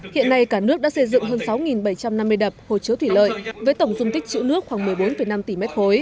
hiện nay cả nước đã xây dựng hơn sáu bảy trăm năm mươi đập hồ chứa thủy lợi với tổng dung tích chữ nước khoảng một mươi bốn năm tỷ m ba